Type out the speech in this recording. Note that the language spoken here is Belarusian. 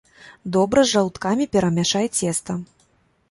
Добра з жаўткамі перамяшай цеста!